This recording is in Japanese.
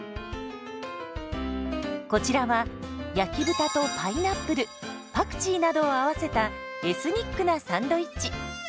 こちらは焼き豚とパイナップルパクチーなどを合わせたエスニックなサンドイッチ。